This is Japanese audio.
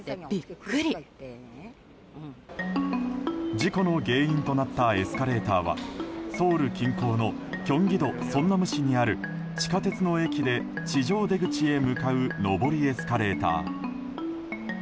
事故の原因となったエスカレーターはソウル近郊のキョンギ道ソンナム市にある地下鉄の駅で地上出口に向かう上りエスカレーター。